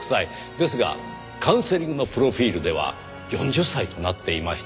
ですがカウンセリングのプロフィルでは４０歳となっていました。